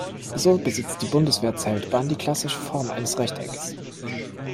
So besitzt die Bundeswehr-Zeltbahn die klassische Form eines Rechtecks.